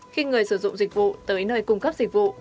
khi người sử dụng dịch vụ tới nơi cung cấp dịch vụ